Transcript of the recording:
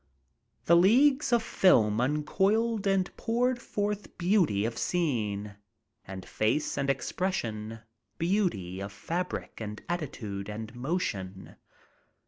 The leagues of film uncoiled and poured forth beauty of scene, and face and express ion, beauty of fabric and attitude and motion.